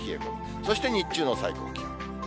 そして日中の最高気温。